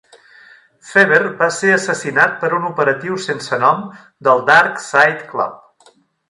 Fever va ser assassinat per un operatiu sense nom del Dark Side Club.